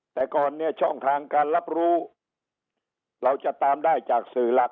แต่ก่อนเนี่ยช่องทางการรับรู้เราจะตามได้จากสื่อหลัก